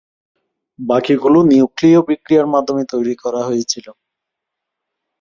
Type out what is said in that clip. বাকিগুলো নিউক্লিয় বিক্রিয়ার মাধ্যমে তৈরি করা হয়েছে।